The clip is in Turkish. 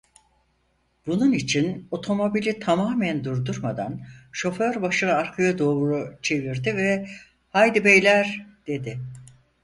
Bunun için otomobili tamamen durdurmadan şoför başını arkaya doğru çevirdi ve: "Haydi beyler!" dedi.